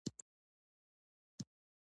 یو عجیبه کشمکش و چې ما نه پوهېدم څه وکړم.